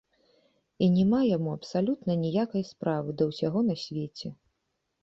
І няма яму абсалютна ніякай справы да ўсяго на свеце.